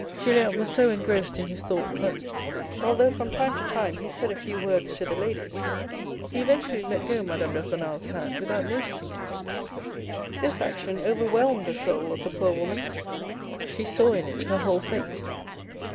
Julien was so engrossed in his thoughts, that, although from time to time he said a few words to the ladies, he eventually let go Madame de RenaPs hand without noticing it. This action over whelmed the soul of the poor woman. She saw in it her whole fate.